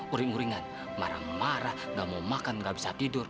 uring uringan marah marah nggak mau makan nggak bisa tidur